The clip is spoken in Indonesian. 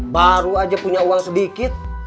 baru aja punya uang sedikit